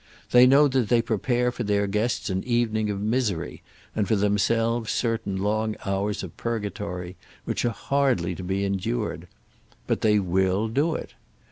They know that they prepare for their guests an evening of misery, and for themselves certain long hours of purgatory which are hardly to be endured. But they will do it.